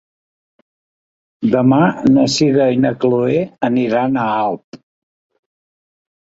Demà na Sira i na Chloé aniran a Alp.